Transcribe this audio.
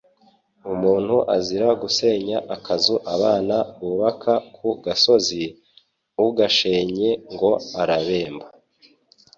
Umuntu azira gusenya akazu abana bubaka ku gasozi, ugashenye ngo arabemba